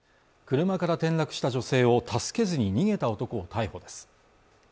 車から転落した女性を助けずに逃げた男を逮捕です